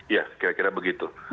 ya kira kira begitu